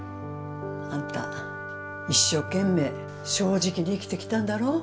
あんた一生懸命正直に生きてきたんだろ？